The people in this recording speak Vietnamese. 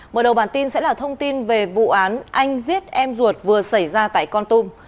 mở đầu bản tin sẽ là thông tin về vụ án anh giết em ruột vừa xảy ra tại con tum